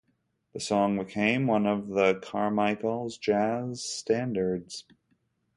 The song became one of Carmichael's jazz standards.